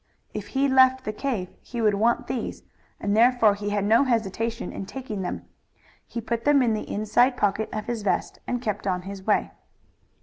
If he left the cave he would want these, and therefore he had no hesitation in taking them. He put them in the inside pocket of his vest and kept on his way.